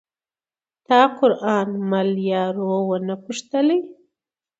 تا قران مل یارو ونه پوښتلئ